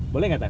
boleh nggak tan